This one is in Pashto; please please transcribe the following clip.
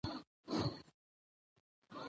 په بدو کي د ښځو ورکول د ټولني د عدالت خلاف عمل دی.